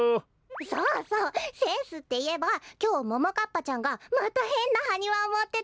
そうそうセンスっていえばきょうももかっぱちゃんがまたへんなハニワをもってたの。